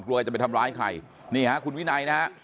จะไปทำร้ายใครนี่ฮะคุณวินัยนะฮะ